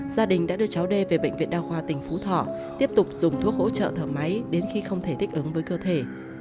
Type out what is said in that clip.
gia đình đã đưa cháu đê về bệnh viện đa khoa tỉnh phú thọ tiếp tục dùng thuốc hỗ trợ thở máy đến khi không thể thích ứng với cơ thể